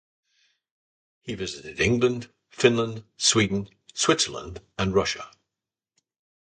He visited England, Finland, Sweden, Switzerland and Russia.